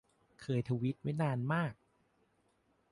เคยทวิตไว้นานมาก